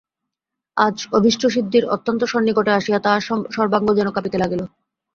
আজ অভীষ্টসিদ্ধির অত্যন্ত সন্নিকটে আসিয়া তাহার সর্বাঙ্গ যেন কাঁপিতে লাগিল।